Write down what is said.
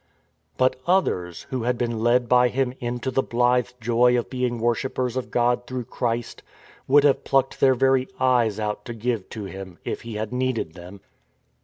But others, who had been led by him into the blithe joy of being worshippers of God through Christ, would have plucked their very eyes out to give to him, if he had needed them.